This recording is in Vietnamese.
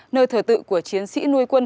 nơi thờ tự của chiến sĩ nuôi quân